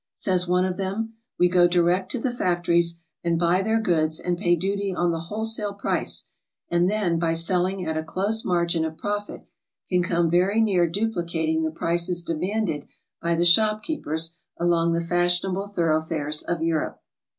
Says one of them: "We go direct to the factories and buy their goods and pay duty on the wholesale price, and then by selling at a close margin of profit can come very near duplicating the prices demanded 'by the sihopkeepers along the fashionable thoroughfares of Europe."